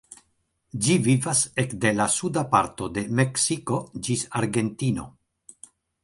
Ĝi vivas ekde la suda parto de Meksiko ĝis Argentino.